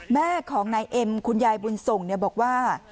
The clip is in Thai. แม่ของนายเอ็มคุณยายบุญส่งบอกว่า